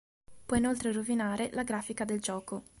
Può inoltre rovinare la grafica del gioco.